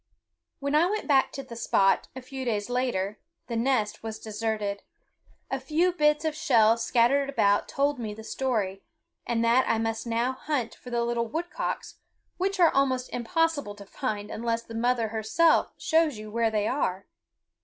When I went back to the spot, a few days later, the nest was deserted. A few bits of shell scattered about told me the story, and that I must now hunt for the little woodcocks, which are almost impossible to find unless the mother herself show you where they are.